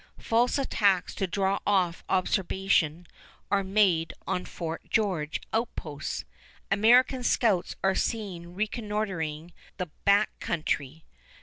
False attacks to draw off observation are made on Fort George outposts. American scouts are seen reconnoitering the Back Country.